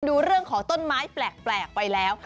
ดูเรื่องของต้นไม้แปลกไปแล้ว